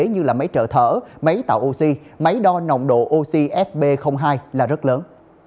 như là máy trợ thở máy tạo oxy máy đo nồng độ oxy sp hai là rất lớn